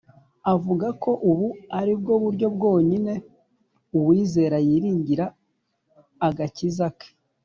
avuga ko ubu ari bwo buryo bwonyine uwizera yiringira agakiza ke.